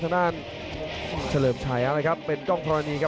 ฉะนั้นเฉลิมชัยครับเป็นด้องทรณีครับ